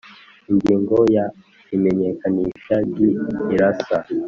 Ingingo ya Imenyekanisha ry irasa